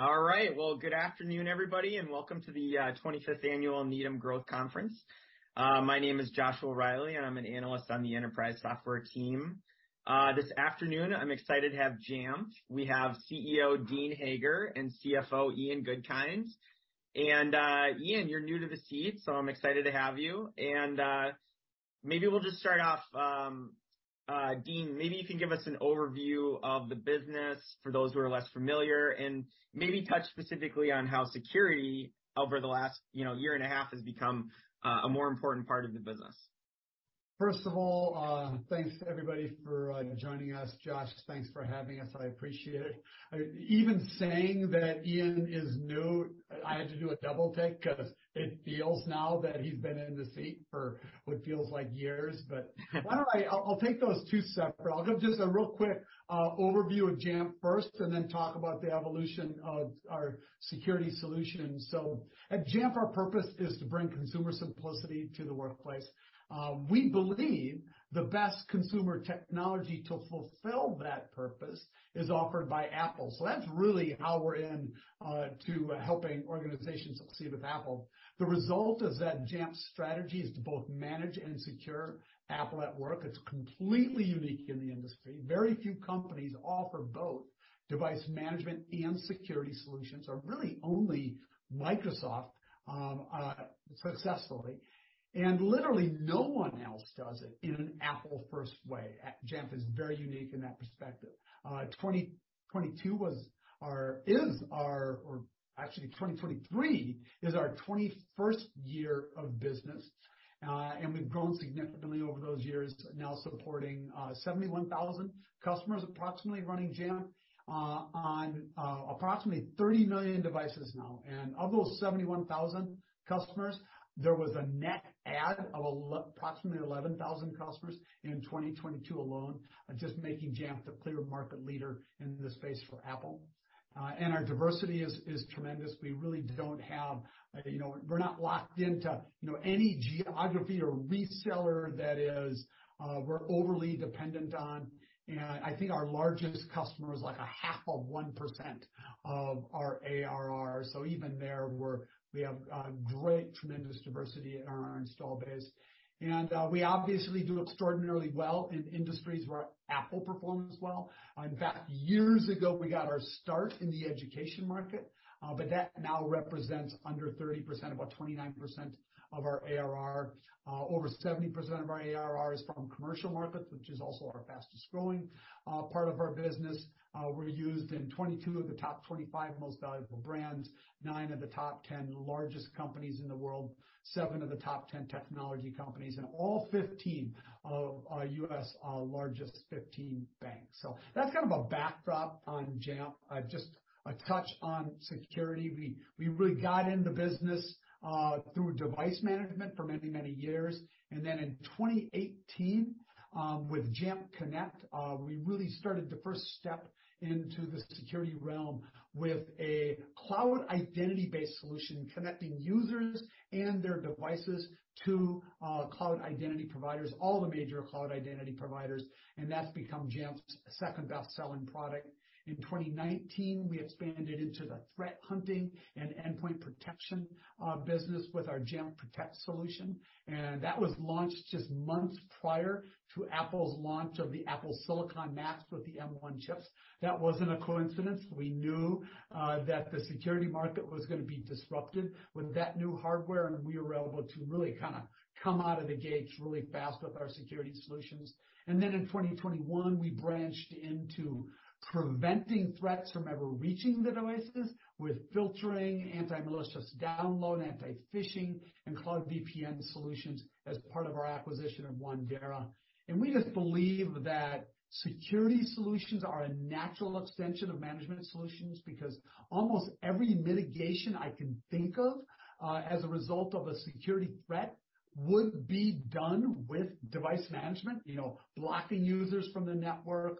All right. Well, good afternoon, everybody, and welcome to the 25th Annual Needham Growth Conference. My name is Joshua Reilly, and I'm an analyst on the enterprise software team. This afternoon I'm excited to have Jamf. We have CEO Dean Hager and CFO Ian Goodkind. Ian, you're new to the seat, so I'm excited to have you. Maybe we'll just start off, Dean, maybe you can give us an overview of the business for those who are less familiar, and maybe touch specifically on how security over the last, you know, year and a half has become a more important part of the business. First of all, thanks everybody for joining us. Josh, thanks for having us. I appreciate it. Even saying that Ian is new, I had to do a double take 'cause it feels now that he's been in the seat for what feels like years. Why don't I take those two separate. I'll give just a real quick overview of Jamf first and then talk about the evolution of our security solution. At Jamf, our purpose is to bring consumer simplicity to the workplace. We believe the best consumer technology to fulfill that purpose is offered by Apple. That's really how we're in to helping organizations succeed with Apple. The result is that Jamf's strategy is to both manage and secure Apple at work. It's completely unique in the industry. Very few companies offer both device management and security solutions, or really only Microsoft successfully, and literally no one else does it in an Apple-first way. Jamf is very unique in that perspective. 2023 is our 21st year of business, and we've grown significantly over those years, now supporting approximately 71,000 customers running Jamf on approximately 30 million devices now. Of those 71,000 customers, there was a net add of approximately 11,000 customers in 2022 alone, just making Jamf the clear market leader in this space for Apple. Our diversity is tremendous. We really don't have, you know, we're not locked into, you know, any geography or reseller that we're overly dependent on. I think our largest customer is like a half of 1% of our ARR. Even there we have great, tremendous diversity in our install base. We obviously do extraordinarily well in industries where Apple performs well. In fact, years ago, we got our start in the education market, but that now represents under 30%, about 29% of our ARR. Over 70% of our ARR is from commercial markets, which is also our fastest-growing part of our business. We're used in 22 of the top 45 most valuable brands, nine of the top 10 largest companies in the world, seven of the top 10 technology companies, and all 15 of U.S. largest 15 banks. That's kind of a backdrop on Jamf. Just a touch on security. We really got in the business through device management for many, many years. Then in 2018, with Jamf Connect, we really started the first step into the security realm with a cloud identity-based solution connecting users and their devices to cloud identity providers, all the major cloud identity providers, and that's become Jamf's second best-selling product. In 2019, we expanded into the threat hunting and endpoint protection business with our Jamf Protect solution, and that was launched just months prior to Apple's launch of the Apple silicon Macs with the M1 chips. That wasn't a coincidence. We knew that the security market was gonna be disrupted with that new hardware, and we were able to really kinda come out of the gate really fast with our security solutions. In 2021, we branched into preventing threats from ever reaching the devices with filtering, anti-malicious download, anti-phishing, and cloud VPN solutions as part of our acquisition of Wandera. We just believe that security solutions are a natural extension of management solutions because almost every mitigation I can think of, as a result of a security threat would be done with device management. You know, blocking users from the network,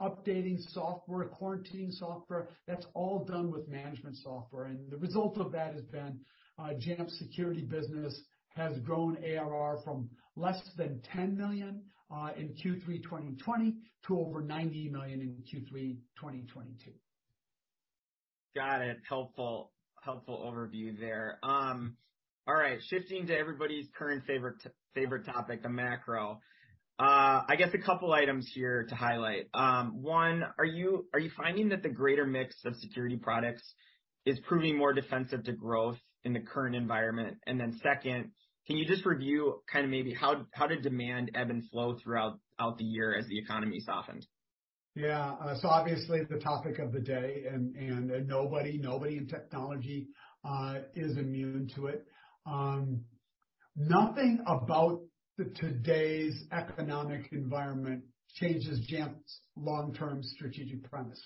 updating software, quarantining software, that's all done with management software. The result of that has been, Jamf security business has grown ARR from less than $10 million in Q3 2020 to over $90 million in Q3 2022. Got it. Helpful, helpful overview there. All right, shifting to everybody's current favorite topic, the macro. I guess a couple items here to highlight. One, are you finding that the greater mix of security products is proving more defensive to growth in the current environment? Then second, can you just review kind of maybe how did demand ebb and flow throughout the year as the economy softened? Yeah. Obviously the topic of the day, nobody in technology is immune to it. Nothing about the today's economic environment changes Jamf's long-term strategic premise.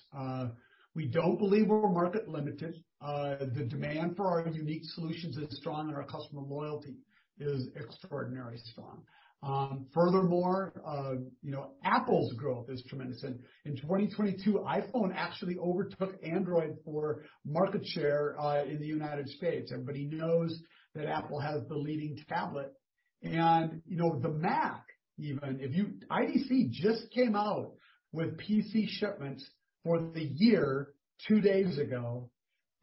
We don't believe we're market limited. The demand for our unique solutions is strong, our customer loyalty is extraordinarily strong. Furthermore, you know, Apple's growth is tremendous. In 2022, iPhone actually overtook Android for market share in the United States. Everybody knows that Apple has the leading tablet. You know, the Mac even, IDC just came out with PC shipments for the year 2 days ago.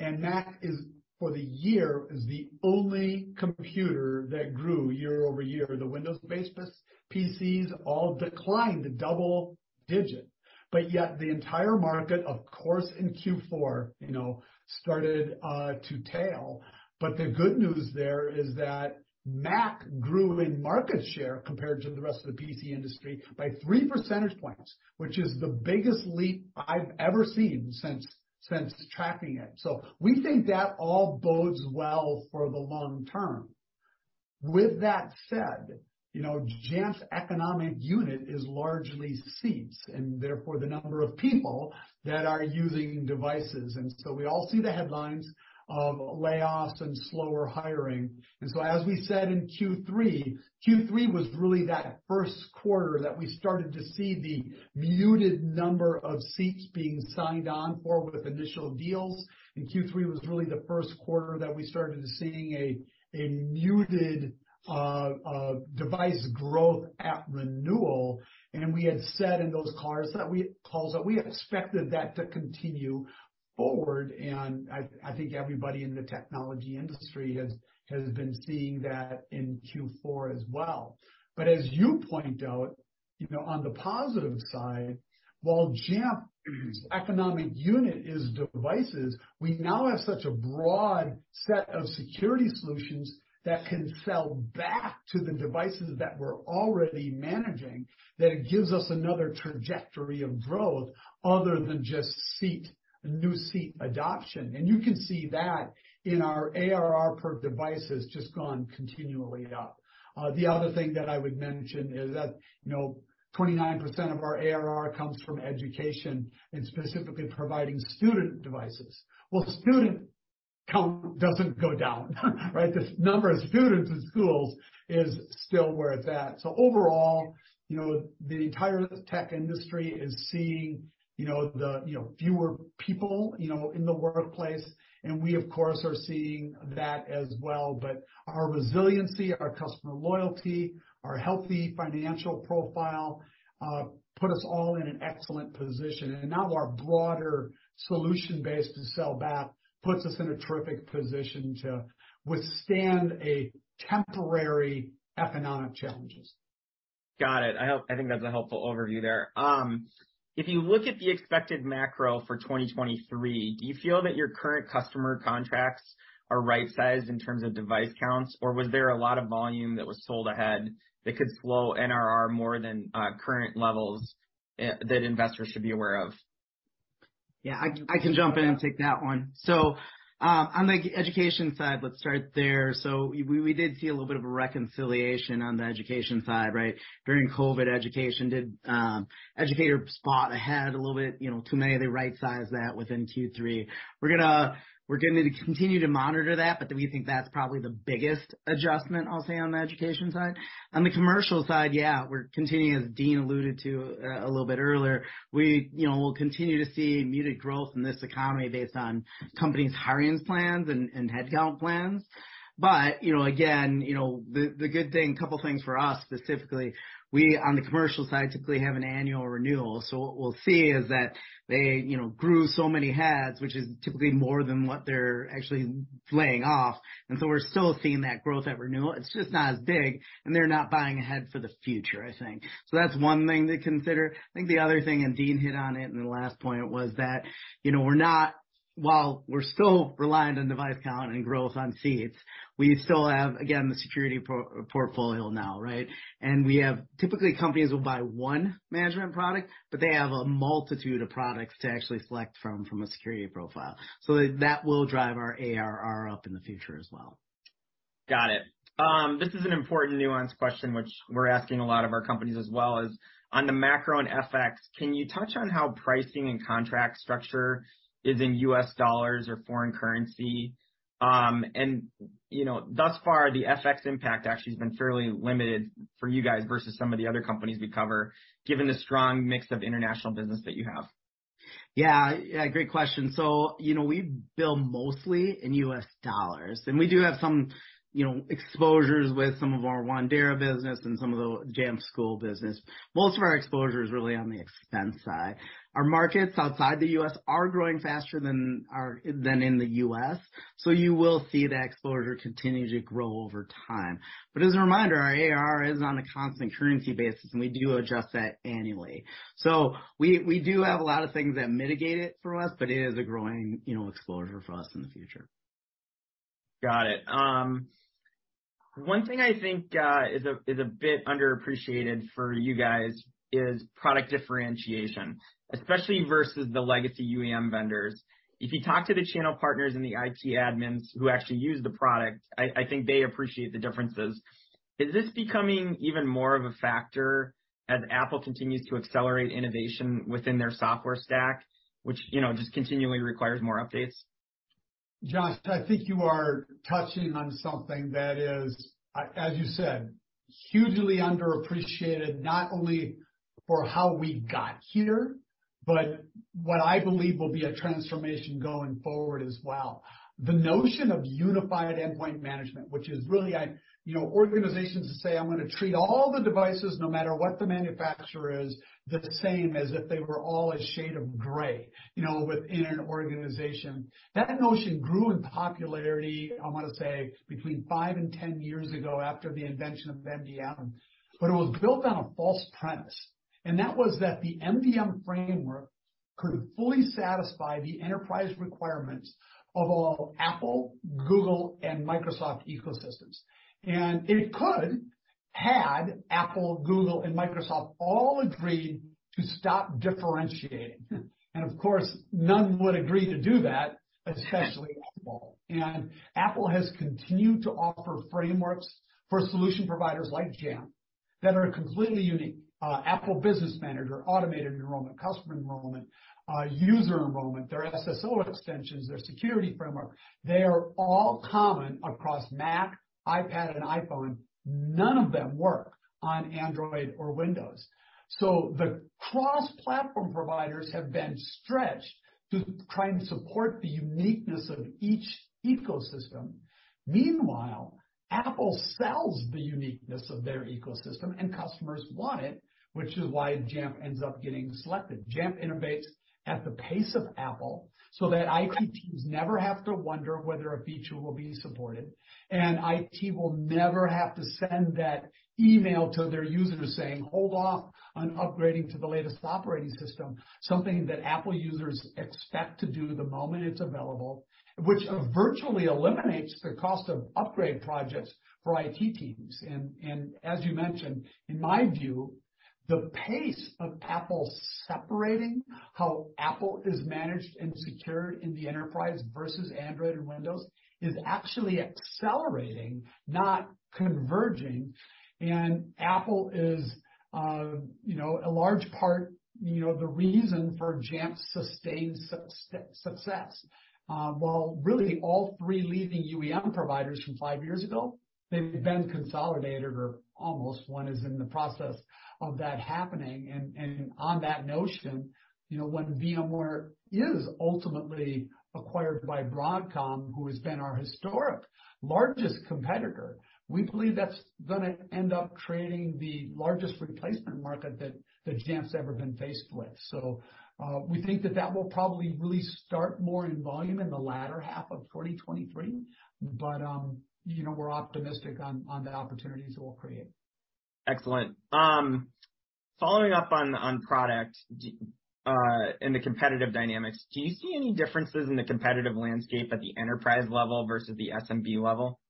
Mac is, for the year, is the only computer that grew year-over-year. The Windows-based PCs all declined double digit, the entire market, of course, in Q4, you know, started to tail. The good news there is that Mac grew in market share compared to the rest of the PC industry by three percentage points, which is the biggest leap I've ever seen since tracking it. We think that all bodes well for the long term. With that said, you know, Jamf's economic unit is largely seats and therefore the number of people that are using devices. We all see the headlines of layoffs and slower hiring. As we said in Q3 was really that first quarter that we started to see the muted number of seats being signed on for with initial deals. Q3 was really the first quarter that we started seeing a muted device growth at renewal. We had said in those calls that we expected that to continue forward. I think everybody in the technology industry has been seeing that in Q4 as well. As you pointed out, you know, on the positive side, while Jamf's economic unit is devices, we now have such a broad set of security solutions that can sell back to the devices that we're already managing that it gives us another trajectory of growth other than just new seat adoption. You can see that in our ARR per device has just gone continually up. The other thing that I would mention is that, you know, 29% of our ARR comes from education and specifically providing student devices. Student count doesn't go down, right? The number of students in schools is still where it's at. Overall, you know, the entire tech industry is seeing, you know, the, you know, fewer people, you know, in the workplace. We of course, are seeing that as well. Our resiliency, our customer loyalty, our healthy financial profile, put us all in an excellent position. Now our broader solution base to sell back puts us in a terrific position to withstand a temporary economic challenges. Got it. I think that's a helpful overview there. If you look at the expected macro for 2023, do you feel that your current customer contracts are right-sized in terms of device counts, or was there a lot of volume that was sold ahead that could slow NRR more than current levels, that investors should be aware of? I can jump in and take that one. On the education side, let's start there. We did see a little bit of a reconciliation on the education side, right? During COVID, education did educator spot ahead a little bit, you know, too many of them right-sized that within Q3. We're gonna continue to monitor that, but we think that's probably the biggest adjustment, I'll say, on the education side. On the commercial side, we're continuing, as Dean alluded to a little bit earlier, we, you know, we'll continue to see muted growth in this economy based on companies' hirings plans and headcount plans. You know, again, you know, the good thing, a couple of things for us specifically, we on the commercial side typically have an annual renewal. What we'll see is that they, you know, grew so many heads, which is typically more than what they're actually laying off. We're still seeing that growth at renewal. It's just not as big and they're not buying ahead for the future, I think. That's one thing to consider. I think the other thing, and Dean hit on it in the last point, was that, you know, while we're still reliant on device count and growth on seats, we still have, again, the security portfolio now, right? We have typically companies will buy one management product, but they have a multitude of products to actually select from a security profile. That will drive our ARR up in the future as well. Got it. This is an important nuanced question which we're asking a lot of our companies as well as, on the macro and FX, can you touch on how pricing and contract structure is in US dollars or foreign currency? You know, thus far, the FX impact actually has been fairly limited for you guys versus some of the other companies we cover, given the strong mix of international business that you have. You know, we bill mostly in U.S. dollars, and we do have some, you know, exposures with some of our Wandera business and some of the Jamf School business. Most of our exposure is really on the expense side. Our markets outside the U.S. are growing faster than in the U.S., so you will see that exposure continue to grow over time. As a reminder, our ARR is on a constant currency basis, and we do adjust that annually. We do have a lot of things that mitigate it for us, but it is a growing, you know, exposure for us in the future. Got it. One thing I think is a bit underappreciated for you guys is product differentiation, especially versus the legacy UEM vendors. If you talk to the channel partners and the IT admins who actually use the product, I think they appreciate the differences. Is this becoming even more of a factor as Apple continues to accelerate innovation within their software stack, which, you know, just continually requires more updates? Josh, I think you are touching on something that is, as you said, hugely underappreciated, not only for how we got here, but what I believe will be a transformation going forward as well. The notion of unified endpoint management, which is really you know, organizations say, I'm gonna treat all the devices no matter what the manufacturer is, the same as if they were all a shade of gray, you know, within an organization. That notion grew in popularity, I wanna say, between 5 and 10 years ago after the invention of MDM. It was built on a false premise, and that was that the MDM framework could fully satisfy the enterprise requirements of all Apple, Google, and Microsoft ecosystems. It could had Apple, Google, and Microsoft all agreed to stop differentiating. Of course, none would agree to do that, especially Apple. Apple has continued to offer frameworks for solution providers like Jamf that are completely unique. Apple Business Manager, automated enrollment, customer enrollment, user enrollment, their SSO extensions, their security framework, they are all common across Mac, iPad, and iPhone. None of them work on Android or Windows. The cross-platform providers have been stretched to try and support the uniqueness of each ecosystem. Meanwhile, Apple sells the uniqueness of their ecosystem, and customers want it, which is why Jamf ends up getting selected. Jamf innovates at the pace of Apple so that IT teams never have to wonder whether a feature will be supported, and IT will never have to send that email to their users saying, "Hold off on upgrading to the latest operating system," something that Apple users expect to do the moment it's available, which virtually eliminates the cost of upgrade projects for IT teams. As you mentioned, in my view, the pace of Apple separating how Apple is managed and secured in the enterprise versus Android and Windows is actually accelerating, not converging. Apple is, you know, a large part, you know, the reason for Jamf's sustained success. While really all three leading UEM providers from five years ago, they've been consolidated or almost one is in the process of that happening. On that notion, you know, when VMware is ultimately acquired by Broadcom, who has been our historic largest competitor, we believe that's gonna end up creating the largest replacement market that Jamf's ever been faced with. We think that will probably really start more in volume in the latter half of 2023, you know, we're optimistic on the opportunities it will create. Excellent. Following up on product and the competitive dynamics, do you see any differences in the competitive landscape at the enterprise level versus the SMB level?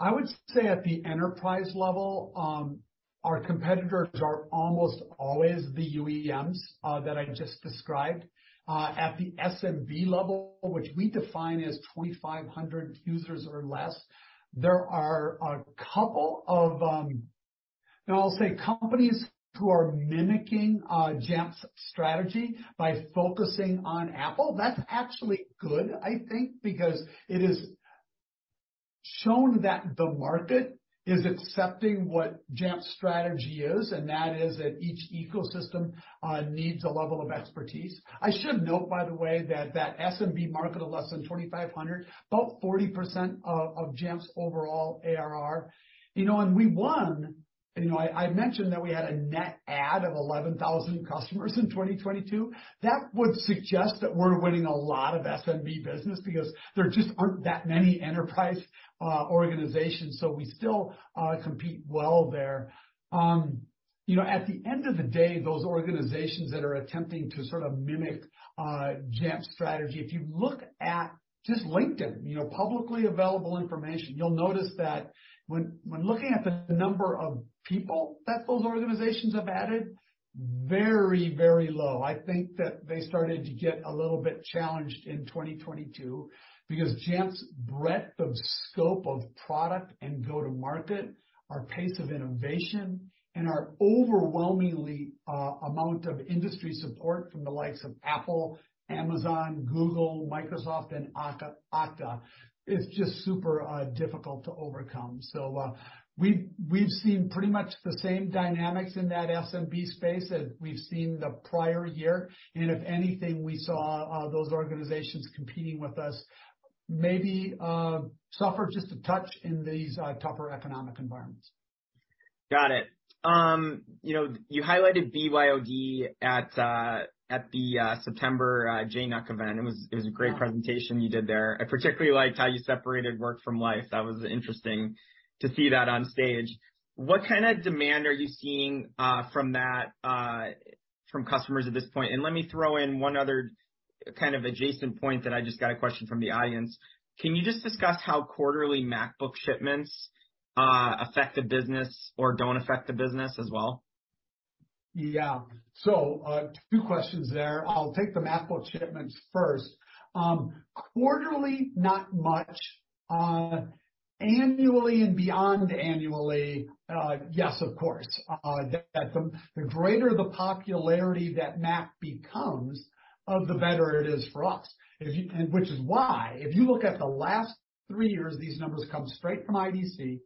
I would say at the enterprise level, our competitors are almost always the UEMs that I just described. At the SMB level, which we define as 2,500 users or less, there are a couple of, now I'll say companies who are mimicking Jamf's strategy by focusing on Apple. That's actually good, I think, because it has shown that the market is accepting what Jamf's strategy is, and that is that each ecosystem needs a level of expertise. I should note, by the way, that that SMB market of less than 2,500, about 40% of Jamf's overall ARR, you know, and we won. You know, I mentioned that we had a net add of 11,000 customers in 2022. That would suggest that we're winning a lot of SMB business because there just aren't that many enterprise organizations. We still compete well there. You know, at the end of the day, those organizations that are attempting to sort of mimic Jamf's strategy, if you look at just LinkedIn, you know, publicly available information, you'll notice that when looking at the number of people that those organizations have added, very, very low. I think that they started to get a little bit challenged in 2022 because Jamf's breadth of scope of product and go-to-market, our pace of innovation, and our overwhelmingly amount of industry support from the likes of Apple, Amazon, Google, Microsoft, and Okta, is just super difficult to overcome. We've seen pretty much the same dynamics in that SMB space as we've seen the prior year. If anything, we saw those organizations competing with us maybe suffer just a touch in these tougher economic environments. Got it. you know, you highlighted BYOD at the September JNUC event. It was a great presentation you did there. I particularly liked how you separated work from life. That was interesting to see that on stage. What kinda demand are you seeing from that from customers at this point? Let me throw in one other kind of adjacent point that I just got a question from the audience. Can you just discuss how quarterly MacBook shipments affect the business or don't affect the business as well? Yeah. Two questions there. I'll take the MacBook shipments first. Quarterly, not much. Annually and beyond annually, yes, of course. The greater the popularity that Mac becomes of the better it is for us. Which is why, if you look at the last 3 years, these numbers come straight from IDC.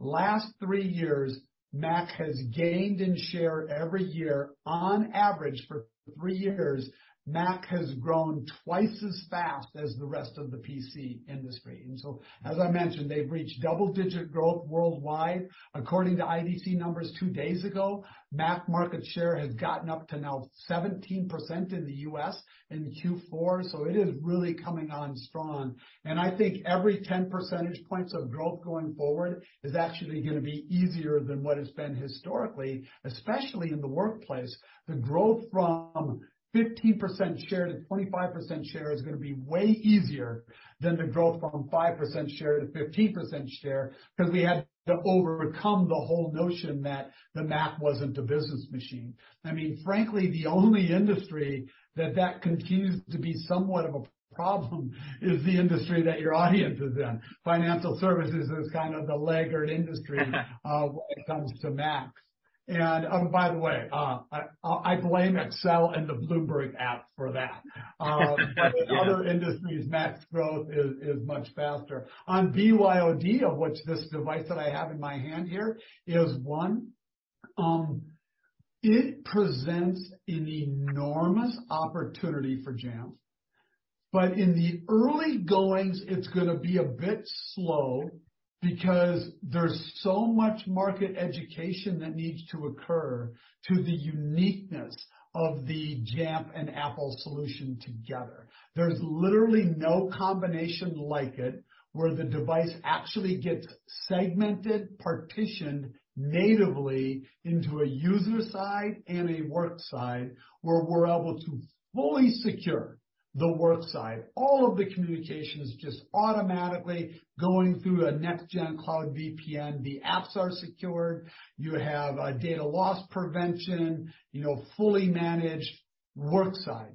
Last 3 years, Mac has gained in share every year. On average, for 3 years, Mac has grown twice as fast as the rest of the PC industry. As I mentioned, they've reached double-digit growth worldwide. According to IDC numbers 2 days ago, Mac market share has gotten up to now 17% in the US in Q4. It is really coming on strong. I think every 10 percentage points of growth going forward is actually gonna be easier than what it's been historically, especially in the workplace. The growth from 15% share to 25% share is gonna be way easier than the growth from 5% share to 15% share, 'cause we had to overcome the whole notion that the Mac wasn't a business machine. I mean, frankly, the only industry that continues to be somewhat of a problem is the industry that your audience is in. Financial services is kind of the laggard industry when it comes to Macs. Oh, by the way, I blame Excel and the Bloomberg app for that. Yeah. In other industries, Mac's growth is much faster. On BYOD, of which this device that I have in my hand here is one, it presents an enormous opportunity for Jamf. In the early goings, it's gonna be a bit slow because there's so much market education that needs to occur to the uniqueness of the Jamf and Apple solution together. There's literally no combination like it, where the device actually gets segmented, partitioned natively into a user side and a work side, where we're able to fully secure the work side. All of the communication is just automatically going through a next gen cloud VPN. The apps are secured. You have a Data Loss Prevention, you know, fully managed work side.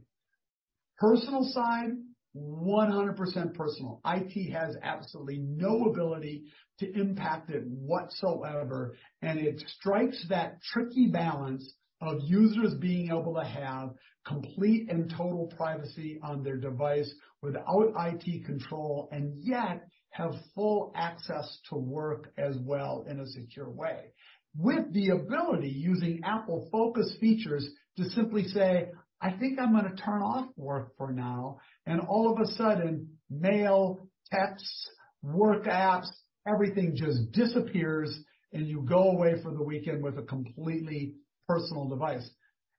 Personal side, 100% personal. IT has absolutely no ability to impact it whatsoever. It strikes that tricky balance of users being able to have complete and total privacy on their device without IT control, and yet have full access to work as well in a secure way. With the ability using Apple Focus features to simply say, "I think I'm gonna turn off work for now." All of a sudden, mail, texts, work apps, everything just disappears, and you go away for the weekend with a completely personal device.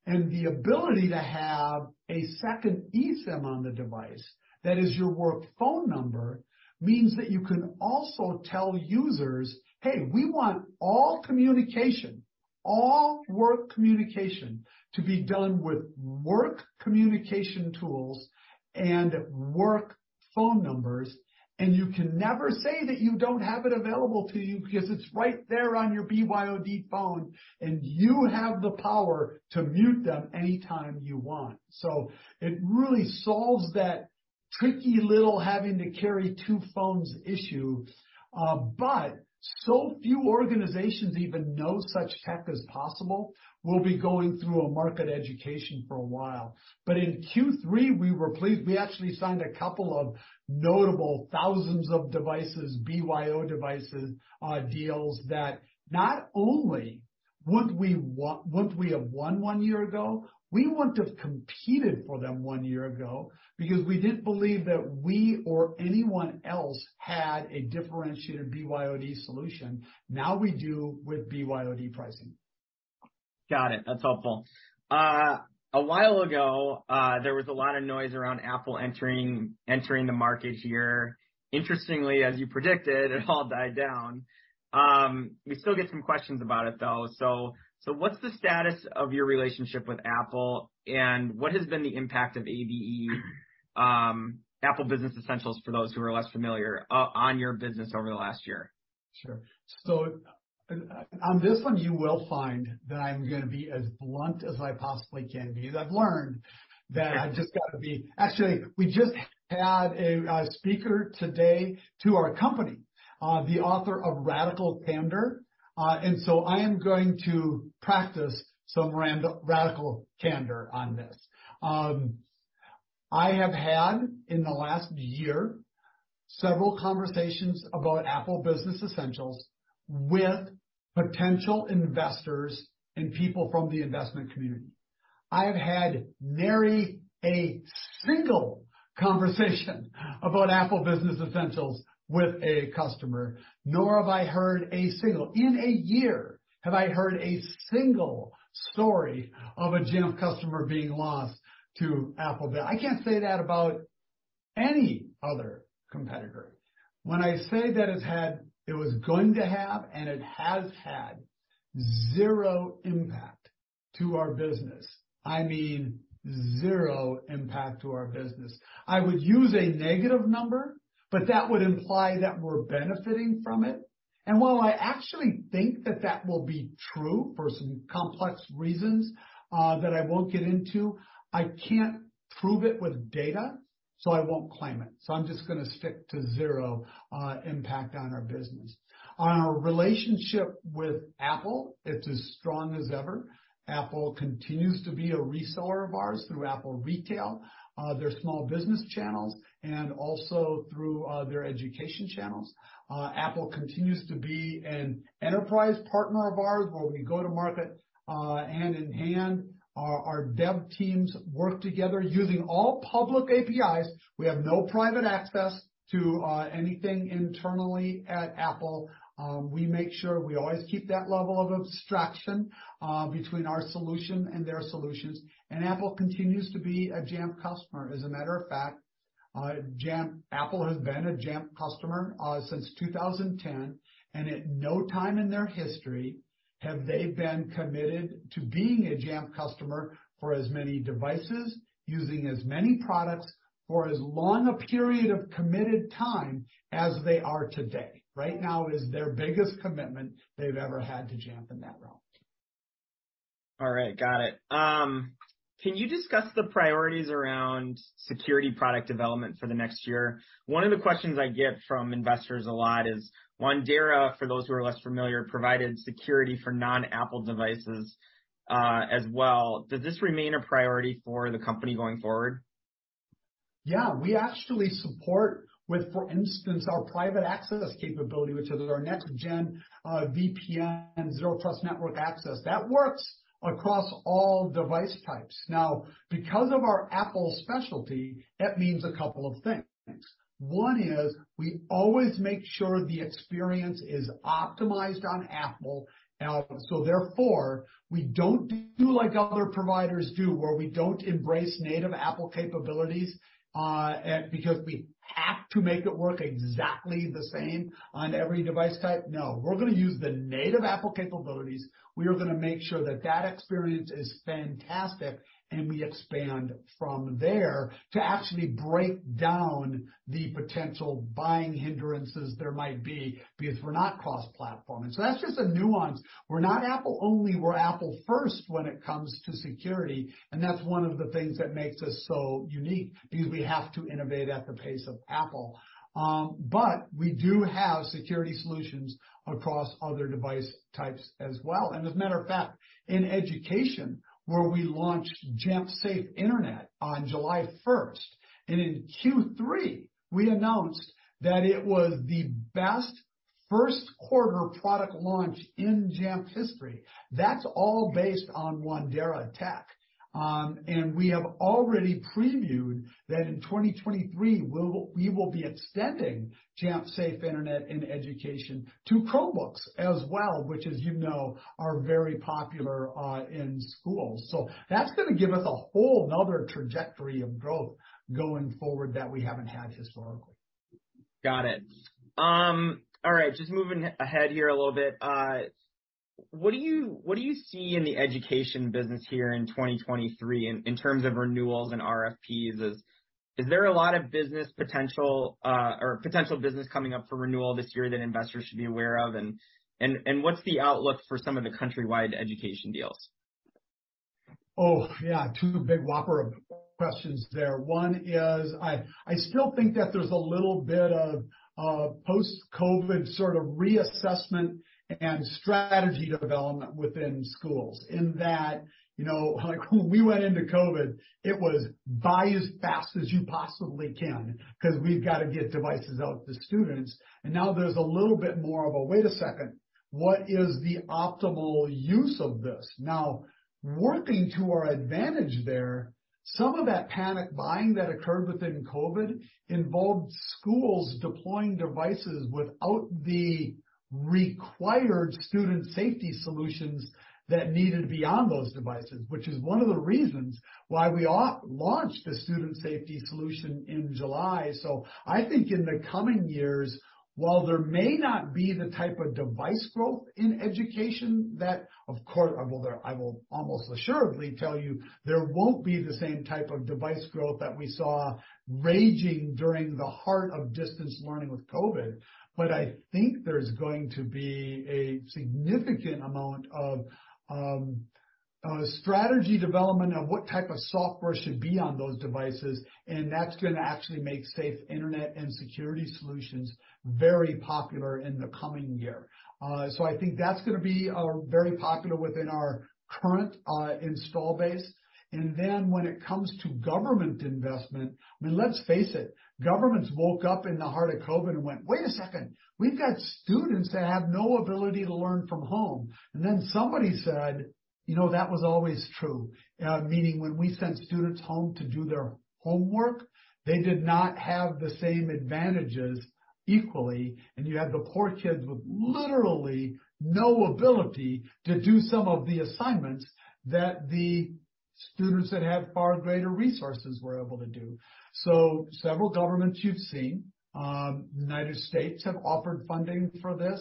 The ability to have a second eSIM on the device that is your work phone number means that you can also tell users, "Hey, we want all communication, all work communication to be done with work communication tools and work phone numbers." You can never say that you don't have it available to you because it's right there on your BYOD phone, and you have the power to mute them anytime you want. It really solves that tricky little having to carry two phones issue. So few organizations even know such tech is possible. We'll be going through a market education for a while. In Q3, we were pleased. We actually signed a couple of notable thousands of devices, BYOD devices, deals that not only wouldn't we have won one year ago, we wouldn't have competed for them one year ago because we didn't believe that we or anyone else had a differentiated BYOD solution. Now we do with BYOD pricing. Got it. That's helpful. A while ago, there was a lot of noise around Apple entering the market here. Interestingly, as you predicted, it all died down. We still get some questions about it, though. So what's the status of your relationship with Apple, and what has been the impact of ABE, Apple Business Essentials, for those who are less familiar, on your business over the last year? Sure. On this one, you will find that I'm gonna be as blunt as I possibly can be, because I've learned that I've just got to be. Actually, we just had a speaker today to our company, the author of Radical Candor, and so I am going to practice some radical candor on this. I have had, in the last year, several conversations about Apple Business Essentials with potential investors and people from the investment community. I have had nary a single conversation about Apple Business Essentials with a customer, nor have I heard a single, in a year, have I heard a single story of a Jamf customer being lost to Apple. I can't say that about any other competitor. When I say that it has had zero impact to our business, I mean zero impact to our business. While I actually think that that will be true for some complex reasons that I won't get into, I can't prove it with data, I won't claim it. I'm just gonna stick to zero impact on our business. On our relationship with Apple, it's as strong as ever. Apple continues to be a reseller of ours through Apple Retail, their small business channels, and also through their education channels. Apple continues to be an enterprise partner of ours, where we go to market hand in hand. Our dev teams work together using all public APIs. We have no private access to anything internally at Apple. We make sure we always keep that level of abstraction between our solution and their solutions. Apple continues to be a Jamf customer. As a matter of fact, Apple has been a Jamf customer since 2010, and at no time in their history have they been committed to being a Jamf customer for as many devices, using as many products for as long a period of committed time as they are today. Right now is their biggest commitment they've ever had to Jamf in that realm. All right. Got it. Can you discuss the priorities around security product development for the next year? One of the questions I get from investors a lot is Wandera, for those who are less familiar, provided security for non-Apple devices, as well. Does this remain a priority for the company going forward? Yeah. We actually support with, for instance, our Private Access capability, which is our next-gen VPN Zero Trust Network Access. That works across all device types. Now, because of our Apple specialty, that means a couple of things. One is we always make sure the experience is optimized on Apple. Therefore, we don't do like other providers do, where we don't embrace native Apple capabilities, and because we have to make it work exactly the same on every device type. No. We're gonna use the native Apple capabilities. We are gonna make sure that that experience is fantastic, and we expand from there to actually break down the potential buying hindrances there might be because we're not cross-platform. That's just a nuance. We're not Apple only. We're Apple first when it comes to security, that's one of the things that makes us so unique because we have to innovate at the pace of Apple. We do have security solutions across other device types as well. As a matter of fact, in education, where we launched Jamf Safe Internet on July 1st, and in Q3, we announced that it was the best first quarter product launch in Jamf history. That's all based on Wandera tech. We have already previewed that in 2023, we will be extending Jamf Safe Internet in education to Chromebooks as well, which, as you know, are very popular in schools. That's gonna give us a whole another trajectory of growth going forward that we haven't had historically. Got it. All right, just moving ahead here a little bit. What do you see in the education business here in 2023 in terms of renewals and RFPs? Is there a lot of business potential, or potential business coming up for renewal this year that investors should be aware of? What's the outlook for some of the countrywide education deals? Oh, yeah. Two big whopper of questions there. One is I still think that there's a little bit of post-COVID sort of reassessment and strategy development within schools in that, you know, like, when we went into COVID, it was buy as fast as you possibly can 'cause we've gotta get devices out to students. Now there's a little bit more of a wait a second, what is the optimal use of this? Now, working to our advantage there, some of that panic buying that occurred within COVID involved schools deploying devices without the required student safety solutions that needed to be on those devices, which is one of the reasons why we launched the student safety solution in July. I think in the coming years, while there may not be the type of device growth in education that, of course, I will, I will almost assuredly tell you there won't be the same type of device growth that we saw raging during the heart of distance learning with COVID. I think there's going to be a significant amount of strategy development of what type of software should be on those devices, and that's gonna actually make safe internet and security solutions very popular in the coming year. I think that's gonna be very popular within our current install base. When it comes to government investment, I mean, let's face it, governments woke up in the heart of COVID and went, "Wait a second. We've got students that have no ability to learn from home." Somebody said, "You know, that was always true." Meaning when we sent students home to do their homework, they did not have the same advantages equally. You had the poor kids with literally no ability to do some of the assignments that the Students that have far greater resources were able to do. Several governments you've seen, United States have offered funding for this.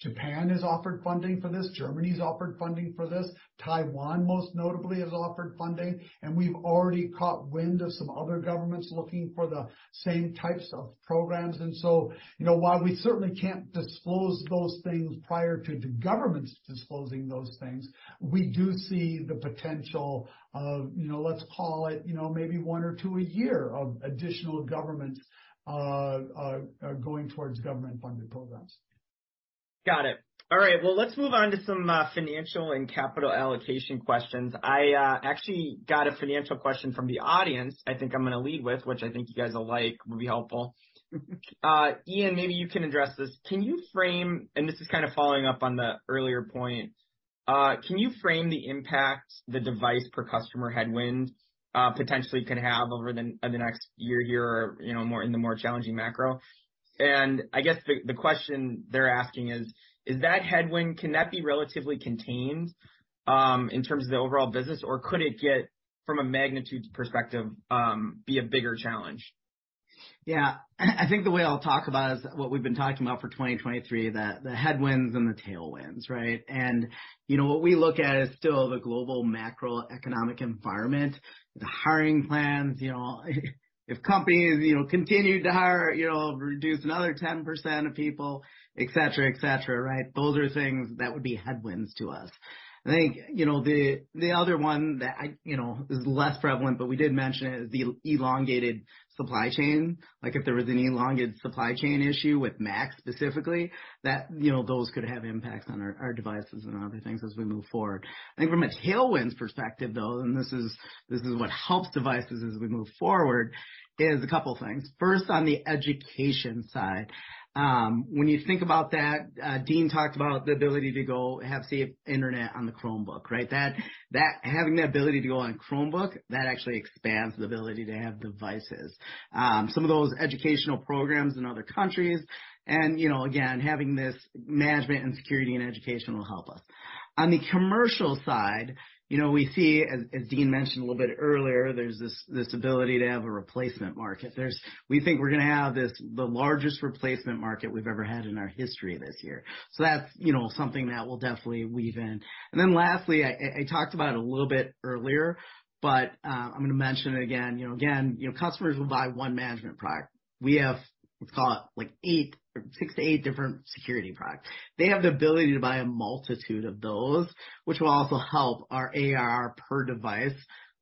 Japan has offered funding for this. Germany has offered funding for this. Taiwan, most notably, has offered funding, and we've already caught wind of some other governments looking for the same types of programs. You know, while we certainly can't disclose those things prior to the governments disclosing those things, we do see the potential of, you know, let's call it, you know, maybe 1 or 2 a year of additional governments going towards government-funded programs. Got it. All right. Well, let's move on to some financial and capital allocation questions. I actually got a financial question from the audience I think I'm gonna lead with, which I think you guys will like, will be helpful. Ian, maybe you can address this. Can you frame... and this is kinda following up on the earlier point. Can you frame the impact the device per customer headwind potentially can have over the next year or, you know, more in the more challenging macro? I guess the question they're asking is that headwind, can that be relatively contained in terms of the overall business, or could it get, from a magnitude perspective, be a bigger challenge? Yeah. I think the way I'll talk about is what we've been talking about for 2023, the headwinds and the tailwinds, right? What we look at is still the global macroeconomic environment, the hiring plans, you know. If companies, you know, continue to hire, you know, reduce another 10% of people, et cetera, et cetera, right? Those are things that would be headwinds to us. I think, you know, the other one that I, you know, is less prevalent, but we did mention it, is the elongated supply chain. Like, if there was any elongated supply chain issue with Macs specifically, that, you know, those could have impacts on our devices and other things as we move forward. I think from a tailwinds perspective, though, this is, this is what helps devices as we move forward, is a couple things. First, on the education side, when you think about that, Dean talked about the ability to go have safe internet on the Chromebook, right? That having the ability to go on Chromebook, that actually expands the ability to have devices. Some of those educational programs in other countries and, you know, again, having this management and security and education will help us. On the commercial side, you know, we see as Dean mentioned a little bit earlier, there's this ability to have a replacement market. We think we're gonna have this, the largest replacement market we've ever had in our history this year. That's, you know, something that we'll definitely weave in. Lastly, I talked about it a little bit earlier, but, I'm gonna mention it again. You know, again, you know, customers will buy one management product. We have, let's call it like 8 or 6-8 different security products. They have the ability to buy a multitude of those, which will also help our ARR per device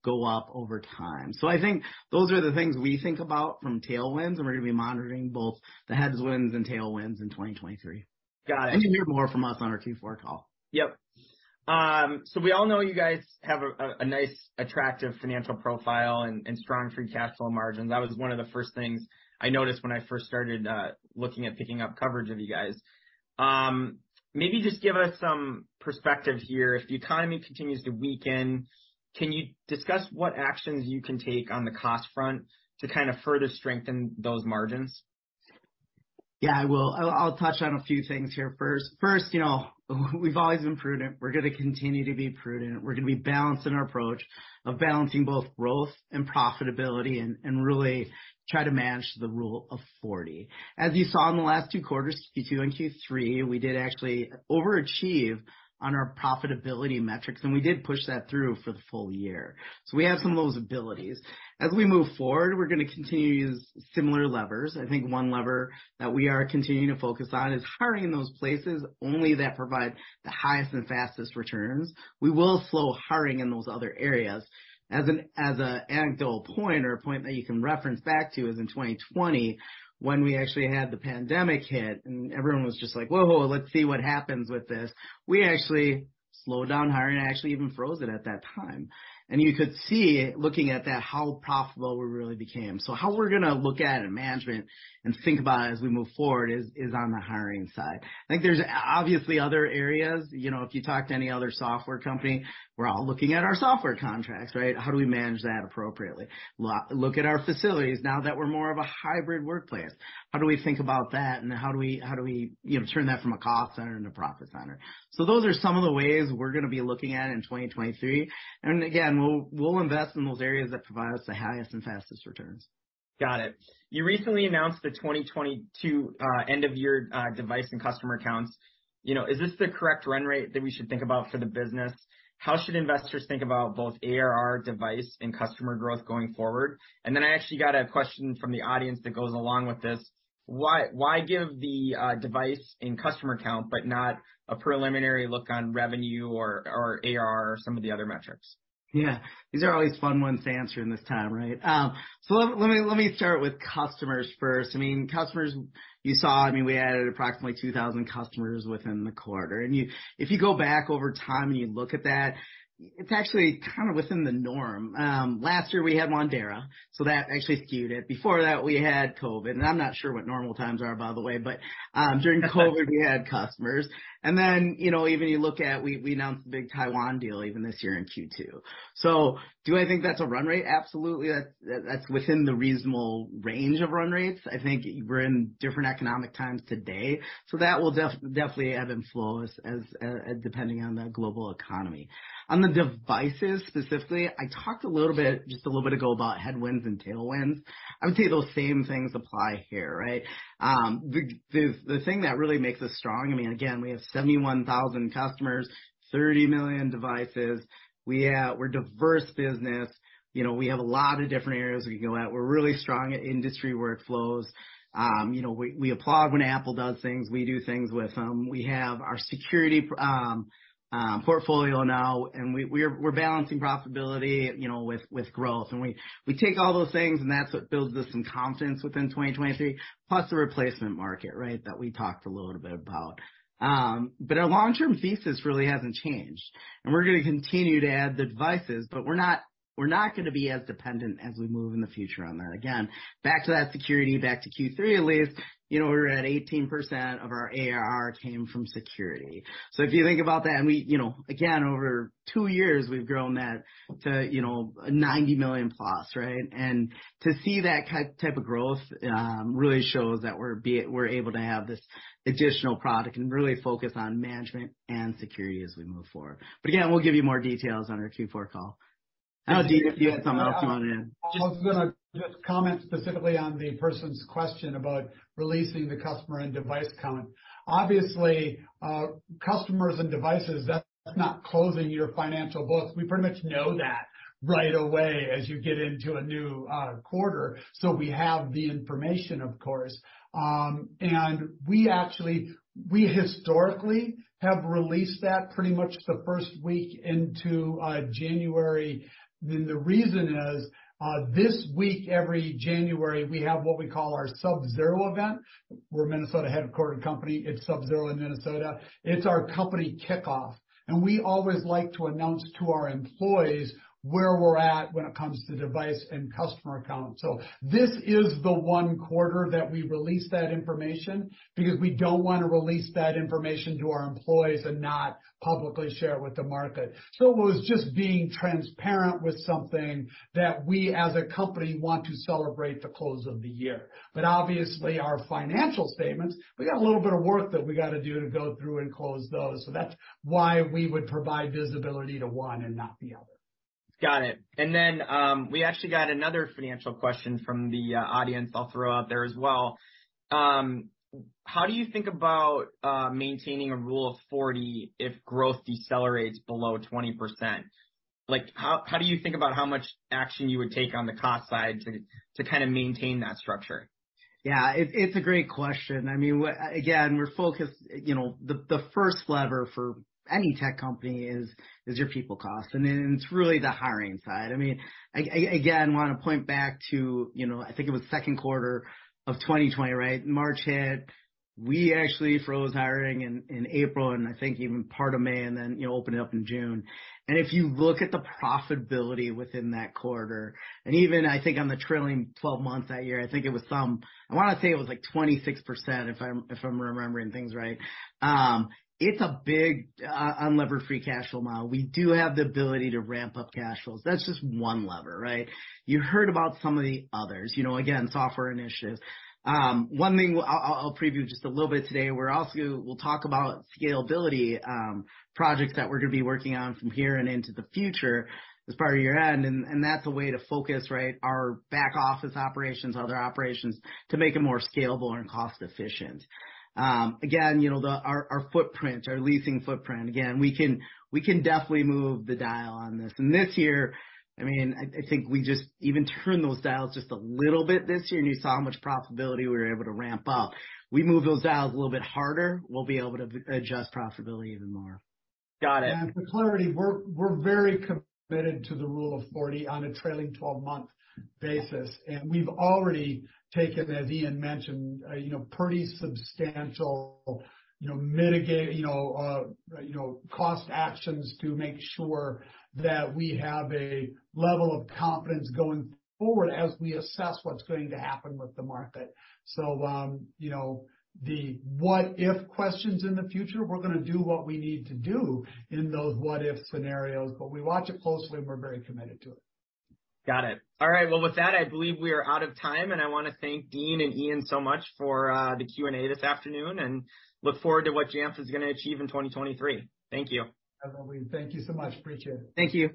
go up over time. I think those are the things we think about from tailwinds, and we're gonna be monitoring both the headwinds and tailwinds in 2023. Got it. You'll hear more from us on our Q4 call. We all know you guys have a nice, attractive financial profile and strong free cash flow margins. That was one of the first things I noticed when I first started looking at picking up coverage of you guys. Maybe just give us some perspective here. If the economy continues to weaken, can you discuss what actions you can take on the cost front to kind of further strengthen those margins? Yeah, I will. I'll touch on a few things here first. First, you know, we've always been prudent. We're gonna continue to be prudent. We're gonna be balanced in our approach of balancing both growth and profitability and really try to manage the Rule of 40. As you saw in the last 2 quarters, Q2 and Q3, we did actually overachieve on our profitability metrics, and we did push that through for the full year. We have some of those abilities. As we move forward, we're gonna continue to use similar levers. I think one lever that we are continuing to focus on is hiring in those places only that provide the highest and fastest returns. We will slow hiring in those other areas. As a anecdotal point or a point that you can reference back to is in 2020 when we actually had the pandemic hit and everyone was just like, "Whoa, let's see what happens with this." We actually slowed down hiring and actually even froze it at that time. You could see, looking at that, how profitable we really became. How we're gonna look at it in management and think about as we move forward is on the hiring side. I think there's obviously other areas. You know, if you talk to any other software company, we're all looking at our software contracts, right? How do we manage that appropriately? Look at our facilities now that we're more of a hybrid workplace. How do we think about that, and how do we, you know, turn that from a cost center into profit center? Those are some of the ways we're gonna be looking at in 2023. Again, we'll invest in those areas that provide us the highest and fastest returns. Got it. You recently announced the 2022 end of year device and customer counts. You know, is this the correct run rate that we should think about for the business? How should investors think about both ARR device and customer growth going forward? I actually got a question from the audience that goes along with this. Why give the device and customer count, but not a preliminary look on revenue or ARR or some of the other metrics? Yeah. These are always fun ones to answer in this time, right? Let me start with customers first. I mean, customers, you saw, I mean, we added approximately 2,000 customers within the quarter. If you go back over time and you look at that, it's actually kind of within the norm. Last year we had Wandera, so that actually skewed it. Before that we had COVID, and I'm not sure what normal times are, by the way, but, during COVID we had customers. Then, you know, even you look at we announced the big Taiwan deal even this year in Q2. Do I think that's a run rate? Absolutely. That's, that's within the reasonable range of run rates. I think we're in different economic times today, so that will definitely ebb and flow all of us as depending on the global economy. On the devices specifically, I talked a little bit, just a little bit ago about headwinds and tailwinds. I would say those same things apply here, right? The thing that really makes us strong, I mean, again, we have 71,000 customers, 30 million devices. We, we're a diverse business. You know, we have a lot of different areas we can go at. We're really strong at industry workflows. You know, we applaud when Apple does things. We do things with them. We have our security portfolio now, and we're balancing profitability, you know, with growth. We take all those things, and that's what builds us some confidence within 2023, plus the replacement market, right? That we talked a little bit about. Our long-term thesis really hasn't changed. We're gonna continue to add the devices, but we're not gonna be as dependent as we move in the future on there. Again, back to that security, back to Q3 at least, you know, we're at 18% of our ARR came from security. If you think about that, and we, you know, again, over two years we've grown that to, you know, $90 million plus, right? To see that type of growth, really shows that we're able to have this additional product and really focus on management and security as we move forward. Again, we'll give you more details on our Q4 call. I know Dean, if you had something else you wanted to add. Yeah. I was gonna just comment specifically on the person's question about releasing the customer and device count. Obviously, customers and devices, that's not closing your financial books. We pretty much know that right away as you get into a new quarter, so we have the information, of course. We actually, we historically have released that pretty much the first week into January. The reason is, this week every January, we have what we call our SubZero event. We're a Minnesota headquartered company. It's SubZero in Minnesota. It's our company kickoff. We always like to announce to our employees where we're at when it comes to device and customer count. This is the one quarter that we release that information because we don't wanna release that information to our employees and not publicly share it with the market. It was just being transparent with something that we as a company want to celebrate the close of the year. Obviously, our financial statements, we got a little bit of work that we gotta do to go through and close those. That's why we would provide visibility to one and not the other. Got it. Then, we actually got another financial question from the audience I'll throw out there as well. How do you think about maintaining a Rule of 40 if growth decelerates below 20%? Like, how do you think about how much action you would take on the cost side to kinda maintain that structure? Yeah. It's a great question. I mean, what again, we're focused, you know, the first lever for any tech company is your people cost, and then it's really the hiring side. I mean, again, want to point back to, you know, I think it was second quarter of 2020, right? March hit. We actually froze hiring in April, and I think even part of May, and then, you know, opened it up in June. If you look at the profitability within that quarter, and even, I think, on the trailing 12 months that year, I think it was, like, 26%, if I'm remembering things right. It's a big unlevered free cash flow model. We do have the ability to ramp up cash flows. That's just one lever, right? You heard about some of the others. You know, again, software initiatives. One thing I'll preview just a little bit today, we'll talk about scalability, projects that we're gonna be working on from here and into the future as part of year-end. That's a way to focus, right, our back office operations, other operations, to make it more scalable and cost efficient. Again, you know, our footprint, our leasing footprint, again, we can definitely move the dial on this. This year, I mean, I think we just even turned those dials just a little bit this year, and you saw how much profitability we were able to ramp up. We move those dials a little bit harder, we'll be able to adjust profitability even more. Got it. For clarity, we're very committed to the Rule of 40 on a trailing twelve-month basis. We've already taken, as Ian mentioned, you know, pretty substantial cost actions to make sure that we have a level of confidence going forward as we assess what's going to happen with the market. You know, the what if questions in the future, we're gonna do what we need to do in those what if scenarios, but we watch it closely, and we're very committed to it. Got it. All right. Well, with that, I believe we are out of time, and I wanna thank Dean and Ian so much for the Q&A this afternoon, and look forward to what Jamf is gonna achieve in 2023. Thank you. Absolutely. Thank you so much. Appreciate it. Thank you.